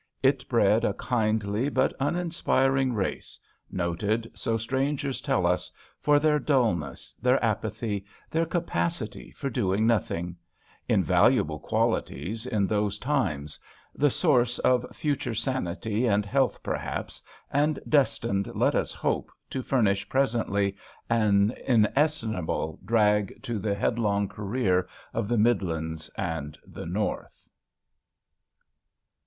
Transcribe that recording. It bred a kindly but unaspiring race, noted, so strangers tell us, for their dulness, their apathy, their capacity for doing nothing — invaluable qualities in those times, the source of future sanity and health perhaps, and destined, let us hope, to furnish presently an inestimable drag to the headlong career of the Midlands and the North.